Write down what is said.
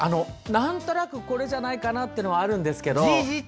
なんとなく、これじゃないかなってのはあるんですけど。